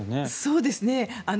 そうですね。